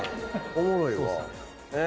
おもろいわ。